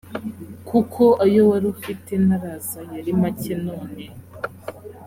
kuko ayo wari ufite ntaraza yari make none